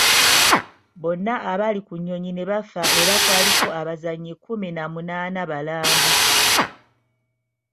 Bonna abaali ku nnyonyi eno baafa era kwaliko abazannyi kumi na munaana balamba.